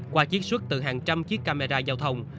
qua chiếc xuất từ hàng trăm chiếc camera giao thông